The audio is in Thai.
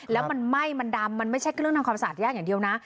แล้วมันไหม้มันดำมันไม่ใช่เครื่องทำความสะอาดยากอย่างเดียวนะ